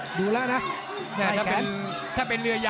โหโหโหโหโหโหโหโหโห